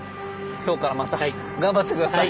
今日からまた頑張って下さい。